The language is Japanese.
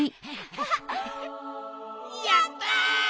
やった！